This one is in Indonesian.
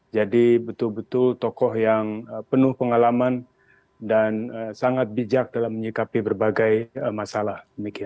jadi betul betul tokoh yang penuh pengalaman dan sangat bijak dalam menyikapi berbagai masalah